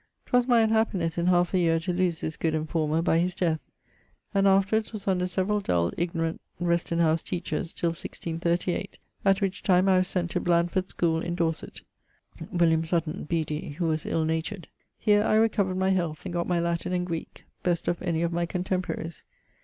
'Twas my unhappinesse in half a yeare to loose this good enformer by his death, and afterwards was under severall dull ignorant rest in house teachers[S] till 1638 (12), at which time I was sent to Blandford schole in Dorset (William Sutton, B.D., who was ill natured). Here I recovered my health, and gott my Latin and Greeke, best of any of my contemporaries.